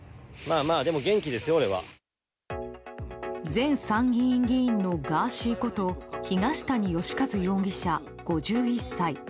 前参議院議員のガーシーこと東谷義和容疑者、５１歳。